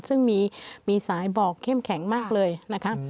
ซึ่งมีสายบอกเข้มแข็งมากเลยนะคะ